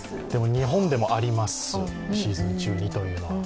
日本でもあります、シーズン中にというのは。